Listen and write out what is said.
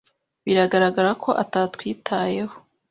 Biragaragara ko atatwitayeho.